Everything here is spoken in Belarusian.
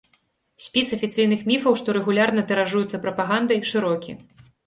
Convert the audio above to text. Спіс афіцыйных міфаў, што рэгулярна тыражуюцца прапагандай, шырокі.